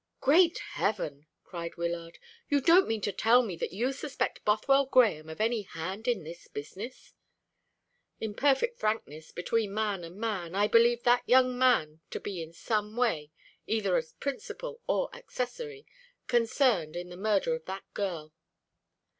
"Great Heaven!" cried Wyllard, "you don't mean to tell me that you suspect Bothwell Grahame of any hand in this business?" "In perfect frankness, between man and man, I believe that young man to be in some way either as principal or accessory concerned in the murder of that girl."